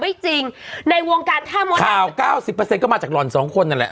จริงในวงการท่ามดข่าว๙๐ก็มาจากหล่อน๒คนนั่นแหละ